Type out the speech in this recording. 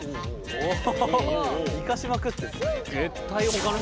おお！